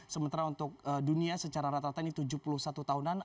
sementara untuk dunia secara rata rata ini tujuh puluh satu tahunan